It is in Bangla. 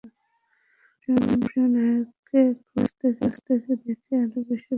তখন প্রিয় নায়ককে কাছ থেকে দেখে আরও বেশি ভক্ত হয়ে যান।